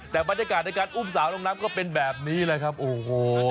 แต่บรรยากาศในการอุ้มสาวลงน้ำก็เป็นแบบนี้แหละครับโอ้โห